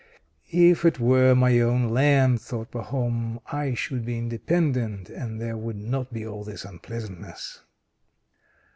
"If it were my own land," thought Pahom, "I should be independent, and there would not be all this unpleasantness."